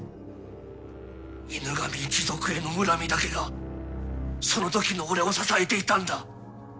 犬神一族への恨みだけがそのときの俺を支えていたんだ。